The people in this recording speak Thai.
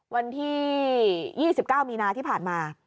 วันที่๒๙มีนาที่ผ่านมา